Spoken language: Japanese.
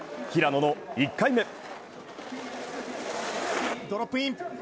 平野の１回目。